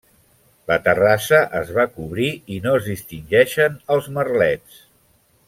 La terrassa es va cobrir i no es distingeixen els merlets.